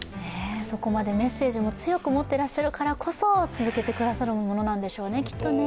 そこまでメッセージも強く持ってらっしゃるからこそ続けてくださるものなんでしょうね、きっとね。